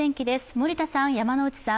森田さん、山内さん